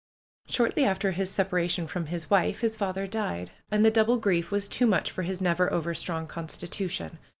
Shortly after his separation from his wife his father died. And the double grief was too much for his never over strong constitution.